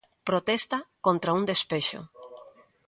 Protesta contra un despexo.